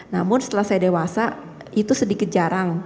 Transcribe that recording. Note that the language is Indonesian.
namun setelah saya dewasa itu sedikit jarang